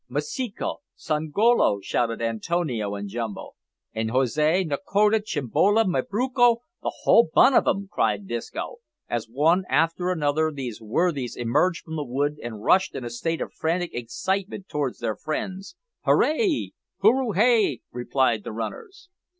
"Masiko! Songolo!" shouted Antonio and Jumbo. "An' Jose, Nakoda, Chimbolo, Mabruki! the whole bun' of 'em," cried Disco, as one after another these worthies emerged from the wood and rushed in a state of frantic excitement towards their friends "Hooray!" "Hooroo hay!" replied the runners.